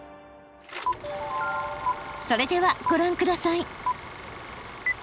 それではご覧ください。